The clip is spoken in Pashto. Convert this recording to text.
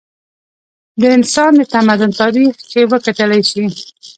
د انسان د تمدن تاریخ چې وکتلے شي